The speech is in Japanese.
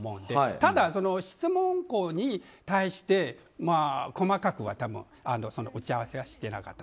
ただ、質問に対して細かくは打ち合わせはしてなかった。